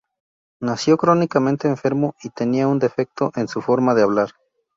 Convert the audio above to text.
Nació crónicamente enfermo y tenía un defecto en su forma de hablar.